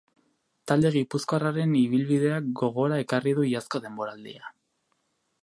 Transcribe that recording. Talde gipuzkoarraren ibilbideak gogora ekarri du iazko denboraldia.